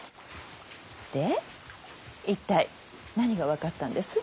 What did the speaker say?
で一体何が分かったんです？